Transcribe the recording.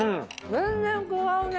全然違うね。